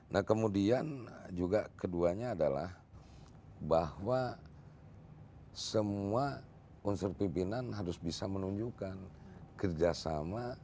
nah kemudian juga keduanya adalah bahwa semua unsur pimpinan harus bisa menunjukkan kerjasama